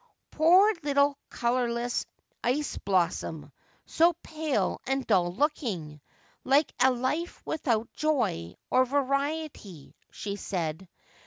' Poor little colourless ice blossom, so pale and dull looking, like a life without joy or variety !' she said.